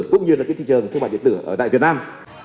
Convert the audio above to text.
cũng như là cái thị trường thương mại điện tử ở đại việt nam